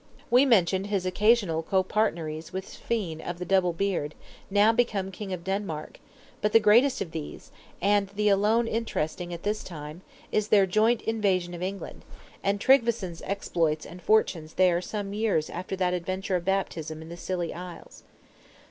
We mentioned his occasional copartneries with Svein of the Double beard, now become King of Denmark, but the greatest of these, and the alone interesting at this time, is their joint invasion of England, and Tryggveson's exploits and fortunes there some years after that adventure of baptism in the Scilly Isles.